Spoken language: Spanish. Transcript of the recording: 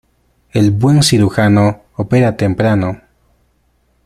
El buen cirujano opera temprano.